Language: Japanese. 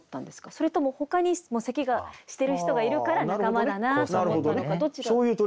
それともほかに咳がしてる人がいるから仲間だなと思ったのかどっちかと。